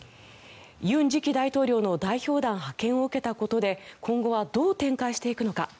尹次期大統領の代表団派遣を受けたことで今後はどう展開していくのか。